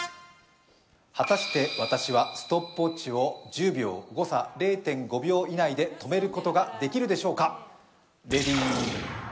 果たして私はストップウォッチを１０秒、誤差０．５秒以内で止めることができるでしょうか。